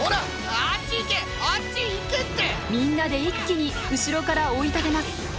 みんなで一気に後ろから追い立てます。